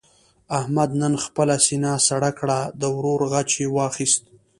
احمد نن خپله سینه سړه کړه. د ورور غچ یې واخیست.